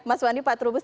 mas wandi pak trubus